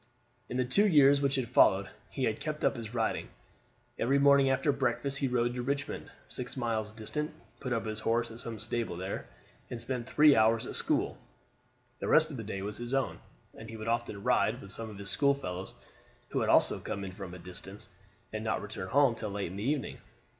In the two years which had followed he had kept up his riding. Every morning after breakfast he rode to Richmond, six miles distant, put up his horse at some stable there, and spent three hours at school; the rest of the day was his own, and he would often ride off with some of his schoolfellows who had also come in from a distance, and not return home till late in the evening.